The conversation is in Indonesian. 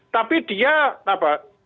tapi dia apa